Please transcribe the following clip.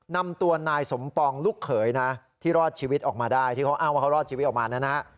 นำตัวนายสมปองลูกเขยนะที่รอดชีวิตออกมาได้ที่เขาอ้างว่าเขารอดชีวิตออกมานะฮะ